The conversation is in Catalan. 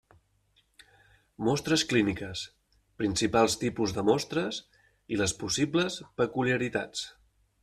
Mostres clíniques: principals tipus de mostres i les possibles peculiaritats.